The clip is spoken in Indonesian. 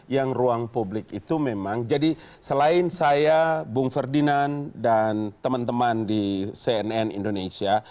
yang ruang publik itu memang jadi selain saya bung ferdinand dan teman teman di cnn indonesia